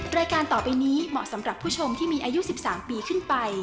รายการต่อไปนี้เหมาะสำหรับผู้ชมที่มีอายุ๑๓ปีขึ้นไป